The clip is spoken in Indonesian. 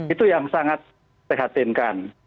itu yang sangat dihatinkan